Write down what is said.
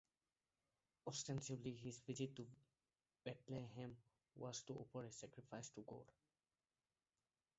Ostensibly, his visit to Bethlehem was to offer a sacrifice to God.